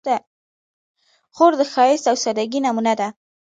خور د ښایست او سادګۍ نمونه ده.